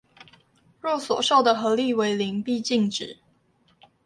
若所受的合力為零必靜止